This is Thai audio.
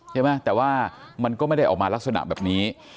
ใช่ไหมแต่ว่ามันก็ไม่ได้ออกมาลักษณะแบบนี้